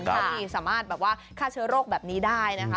ถ้ามีสามารถแบบว่าฆ่าเชื้อโรคแบบนี้ได้นะคะ